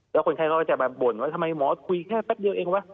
แล้วคนไข้เขาก็จะมาบ่นว่าทำไมหมอคุยแค่แป๊บเดียวเองวะ